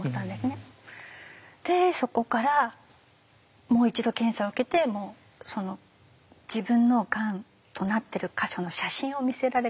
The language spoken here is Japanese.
でそこからもう一度検査を受けて自分のがんとなってる箇所の写真を見せられたんです。